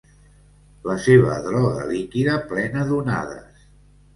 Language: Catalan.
La seva droga líquida plena d'onades.